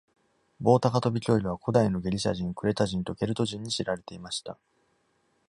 棒高跳び競技は、古代のギリシア人、クレタ人とケルト人に知られていました。